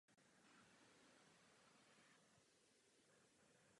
Významný je i pobřežní rybolov.